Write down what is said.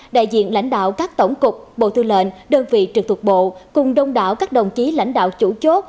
đại diện lãnh đạo các tổng cục bộ thư lệnh đơn vị trực thuộc bộ cùng đông đảo các đồng chí lãnh đạo chủ chốt